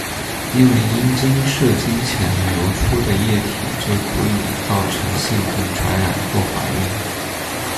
因为阴茎射精前流出的液体就足以造成性病传染或怀孕。